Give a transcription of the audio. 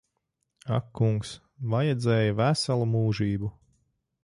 Ak kungs. Vajadzēja veselu mūžību.